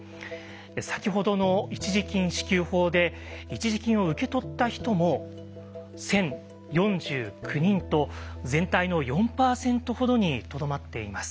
先ほどの一時金支給法で一時金を受け取った人も１，０４９人と全体の４％ほどにとどまっています。